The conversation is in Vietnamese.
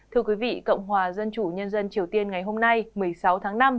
thưa quý vị cộng hòa dân chủ nhân dân triều tiên ngày hôm nay một mươi sáu tháng năm